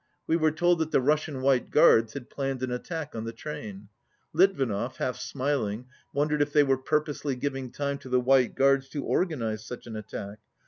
We were told that the Russian White Guards had planned an attack on the train. Litvinov, half smiling, wondered if they were purposely giving time to the White Guards to organize such an attack.